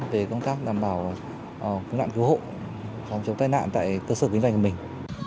về công tác đảm bảo cơ nạn cứu hộ chống tai nạn tại cơ sở kinh doanh của mình